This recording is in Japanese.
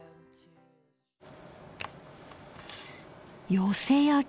よせ焼き。